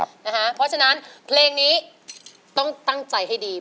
เพราะฉะนั้นเพลงนี้ต้องตั้งใจให้ดี